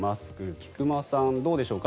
菊間さん、どうでしょうか。